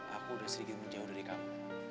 aku udah sedikit menjauh dari kamu